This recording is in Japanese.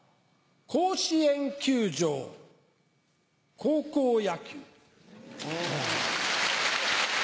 甲子園球場高校野球。